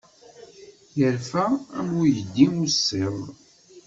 Yerfa am uydi ussiḍ.